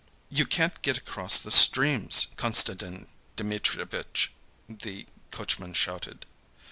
"You can't get across the streams, Konstantin Dmitrievitch," the coachman shouted.